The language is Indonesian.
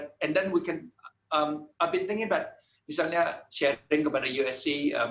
dan kemudian kita bisa saya berpikir tentang misalnya sharing kepada usc